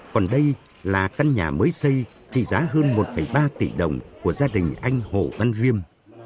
còn đây là căn nhà mới xây trị giá hơn một ba tỷ đồng của gia đình anh hồ văn viêm